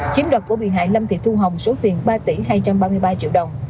chiếm đoạt của bị hại lâm thị thu hồng số tiền ba tỷ hai trăm ba mươi ba triệu đồng